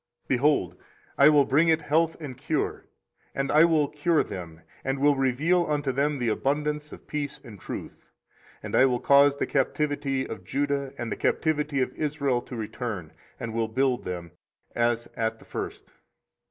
24:033:006 Behold, I will bring it health and cure, and I will cure them, and will reveal unto them the abundance of peace and truth. 24:033:007 And I will cause the captivity of Judah and the captivity of Israel to return, and will build them, as at the first.